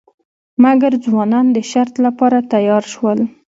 مګر ځوانان د شرط لپاره تیار شول.